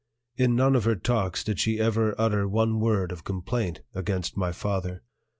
In none of her talks did she ever utter one word of complaint against my father.